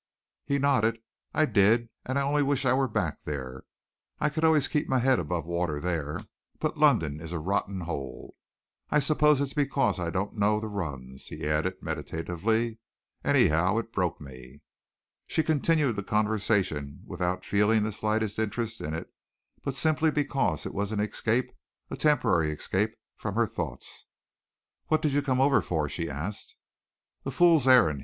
He nodded. "I did, and I only wish I were back there. I could always keep my head above water there, but London is a rotten hole. I suppose it's because I don't know the runs," he added meditatively. "Anyhow, it's broke me." She continued the conversation without feeling the slightest interest in it, but simply because it was an escape a temporary escape from her thoughts. "What did you come over for?" she asked. "A fool's errand!"